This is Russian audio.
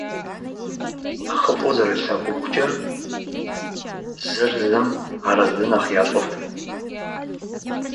Чем сильнее они влюблены, тем больше удовлетворяют они друг друга.